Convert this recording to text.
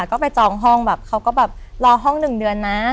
ก็ไปจองห้องแบบเขาก็แบบรอห้อง๑เดือนนะ